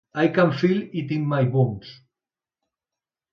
"I can feel it in my bones"